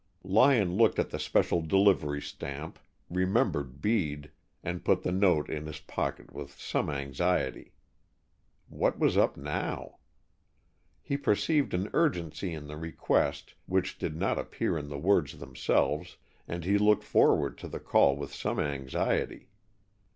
Lyon looked at the special delivery stamp, remembered Bede, and put the note in his pocket with some anxiety. What was up now? He perceived an urgency in the request which did not appear in the words themselves, and he looked forward to the call with some anxiety.